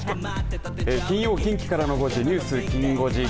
金曜近畿からの５時ニュースきん５時です。